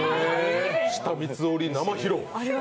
舌三つ折り生披露。